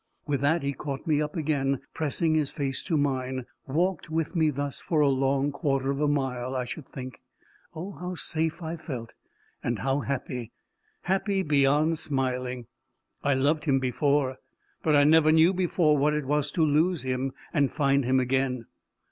With that he caught me up again, and pressing his face to mine, walked with me thus, for a long quarter of a mile, I should think. Oh how safe I felt! and how happy! happy beyond smiling! I loved him before, but I never knew before what it was to lose him and find him again.